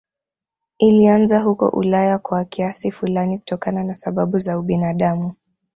Ilianzia huko Ulaya kwa kiasi fulani kutokana na sababu za ubinadamu